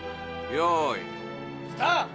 よーいスタート！